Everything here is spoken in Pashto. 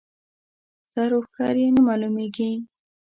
سر و ښکر یې نه معلومېږي.